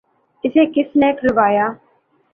‘ اسے کس نے کھلوایا؟